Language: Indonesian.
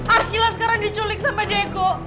arshila sekarang diculik sama dieko